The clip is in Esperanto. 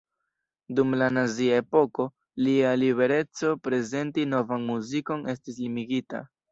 Dum la Nazia epoko, lia libereco prezenti novan muzikon estis limigita.